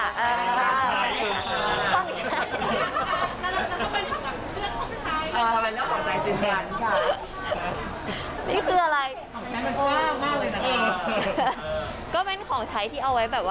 เป็นแบบว่าเก็บความทรงจำต่างอ่าบ้าย